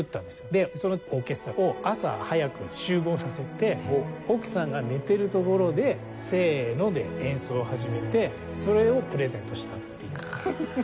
でそのオーケストラを朝早く集合させて奥さんが寝てるところで「せーの」で演奏を始めてそれをプレゼントしたっていう。